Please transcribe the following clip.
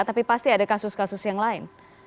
tapi pasti ada kasus kasus yang lain